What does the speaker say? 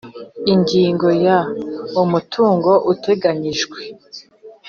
Ingingo ya umutungo uteganyijwe